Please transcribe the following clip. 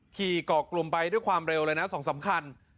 ขี่เกาะกลุ่มไปด้วยความเร็วเลยนะ๒๓คัน